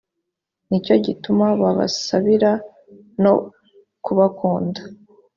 ni cyo gituma babasabira no kubakunda